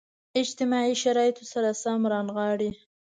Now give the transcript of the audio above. اجتماعي شرایطو سره سم رانغاړي.